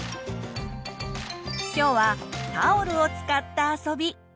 今日はタオルを使った遊び。